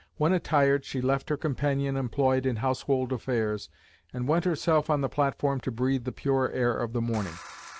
When attired, she left her companion employed in household affairs, and went herself on the platform to breathe the pure air of the morning.